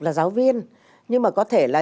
là giáo viên nhưng mà có thể là